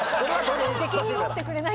責任持ってくれない。